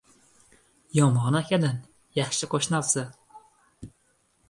• Yomon akadan yaxshi qo‘shni afzal.